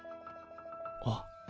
あっ。